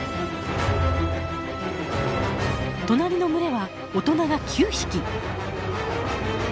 隣の群れは大人が９匹。